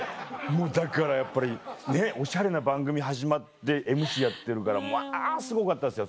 もうだからやっぱりねっおしゃれな番組始まってＭＣやってるからまぁすごかったですよ。